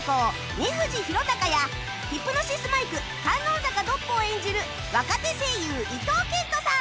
二藤宏嵩や『ヒプノシスマイク』観音坂独歩を演じる若手声優伊東健人さん